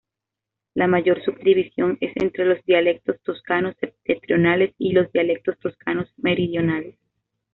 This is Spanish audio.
La mayor subdivisión es entre los dialectos toscanos septentrionales y los dialectos toscanos meridionales.